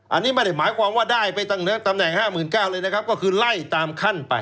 อันนี้ไม่ได้หมายความว่าได้ไปตั้งตำแหน่ง๕๙๐๐เลยนะครับก็คือไล่ตามขั้นไป